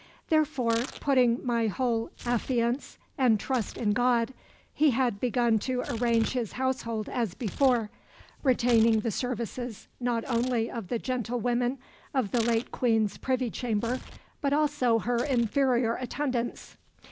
"Therefore, putting my whole affiance and trust in God," he had begun to arrange his household as before, retaining the services not only of the gentlewomen of the late Queen's privy chamber, but also her inferior attendants.